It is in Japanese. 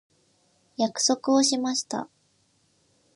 約束をしました。